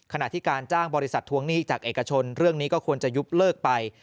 ขณะที่การจ้างบริษัททวงหนี้จากเอกชนเรื่องนี้ก็ควรจะยุบเลิกไป